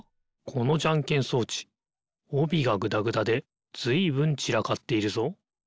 このじゃんけん装置おびがぐだぐだでずいぶんちらかっているぞ。